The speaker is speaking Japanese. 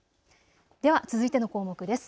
では続いての項目です。